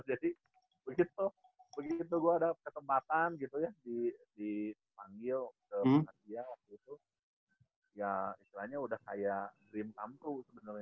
jadi begitu begitu gua ada kesempatan gitu ya dipanggil ke panasya waktu itu ya istilahnya udah kayak dream come true sebenernya gitu